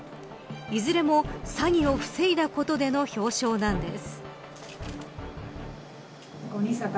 いずれも詐欺を防いだことでの表彰なんです。